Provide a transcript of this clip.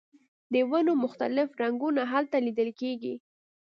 د ونو مختلف رنګونه هلته لیدل کیږي